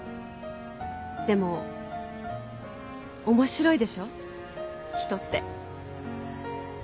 でも面白いでしょ人って。